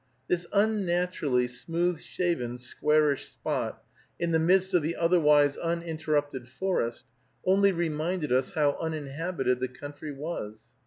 This unnaturally smooth shaven, squarish spot, in the midst of the otherwise uninterrupted forest, only reminded us how uninhabited the country was.